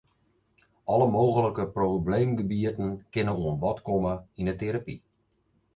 Alle mooglike probleemgebieten kinne oan bod komme yn 'e terapy.